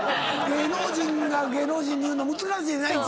芸能人が芸能人に言うの難しいねんな！